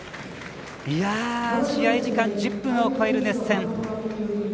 試合時間１０分を超える熱戦。